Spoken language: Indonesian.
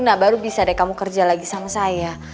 nah baru bisa deh kamu kerja lagi sama saya